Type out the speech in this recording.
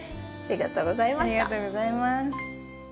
ありがとうございます。